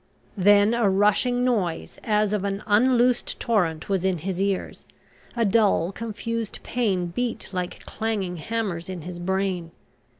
Then a rushing noise as of an unloosed torrent was in his ears; a dull, confused pain beat like clanging hammers in his brain.